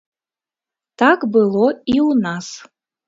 Так было і ў нас.